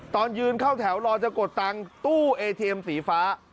ตอนยืนเข้าแถวรอจะกดตังค์ตู้เอเทียมสีฟ้า